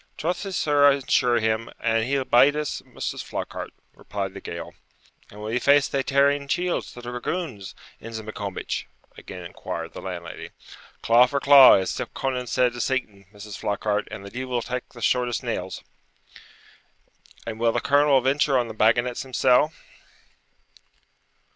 'Troth I'se ensure him, an he'll bide us, Mrs. Flockhart,' replied the Gael. 'And will ye face thae tearing chields, the dragoons, Ensign Maccombich?' again inquired the landlady. 'Claw for claw, as Conan said to Satan, Mrs. Flockhart, and the deevil tak the shortest nails.' 'And will the colonel venture on the bagganets himsell?'